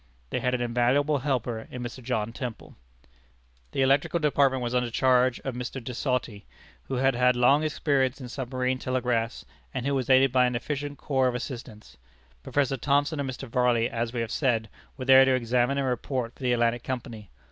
They had an invaluable helper in Mr. John Temple. The electrical department was under charge of Mr. De Sauty, who had had long experience in submarine telegraphs, and who was aided by an efficient corps of assistants. Professor Thomson and Mr. Varley, as we have said, were there to examine and report for the Atlantic Company.